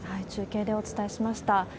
中継でお伝えしました。